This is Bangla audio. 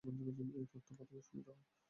এই তত্ত্ব প্রথমে শুনিতে হয়।